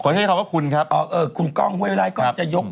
ขอให้เขาก็คุณครับเออคุณก้องเว้ยไล่ก็จะยก